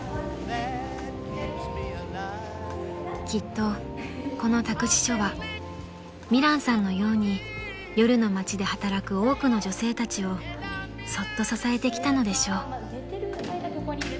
［きっとこの託児所は美蘭さんのように夜の街で働く多くの女性たちをそっと支えてきたのでしょう］